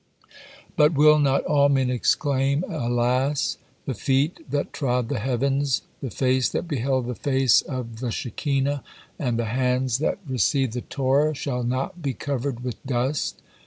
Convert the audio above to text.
But will not all men exclaim, 'Alas! The feet that trod the heavens, the face that beheld the Face of the Shekinah, and the hands that received the Torah, shall not be covered with dust!'"